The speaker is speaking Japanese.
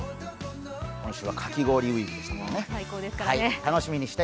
今週はかき氷ウィークですからね。